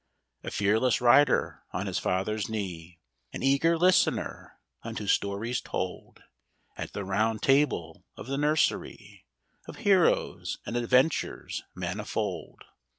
A fearless rider on his father's knee, An eager listener unto stories told At the Round Table of the nursery, Of heroes and adventures manifold.